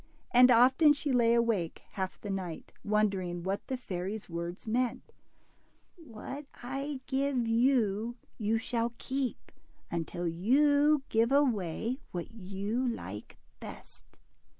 And often she lay awake half the night, wondering what the fairy's words meant : What I give you, you shall keep, until you give away what you like best.''